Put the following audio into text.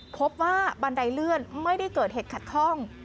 พบว่าบันไดเลื่อนไม่ได้เกิดเหตุขัดข้อง